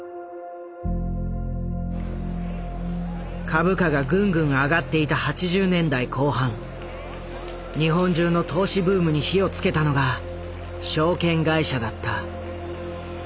株価がぐんぐん上がっていた８０年代後半日本中の投資ブームに火を付けたのが証券会社だった。